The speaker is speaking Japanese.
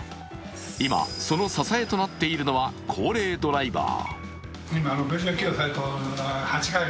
今、その支えとなっているのは高齢ドライバー。